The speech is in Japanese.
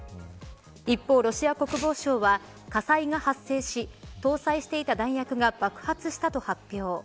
一方、ロシア国防省は火災が発生し、搭載していた弾薬が爆発したと発表。